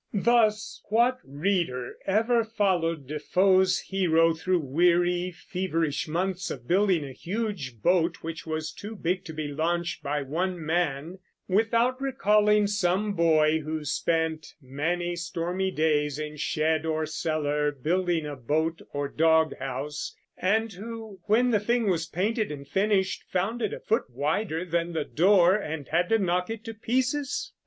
Thus, what reader ever followed Defoe's hero through weary, feverish months of building a huge boat, which was too big to be launched by one man, without recalling some boy who spent many stormy days in shed or cellar building a boat or dog house, and who, when the thing was painted and finished, found it a foot wider than the door, and had to knock it to pieces?